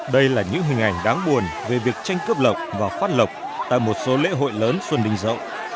đây là những hình ảnh đáng buồn về việc tranh cướp lọc và phát lộc tại một số lễ hội lớn xuân đình rộng